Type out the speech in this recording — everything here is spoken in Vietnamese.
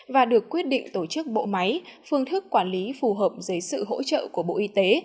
và được quyết định tổ chức bộ máy phương thức quản lý phù hợp dưới sự hỗ trợ của bộ y tế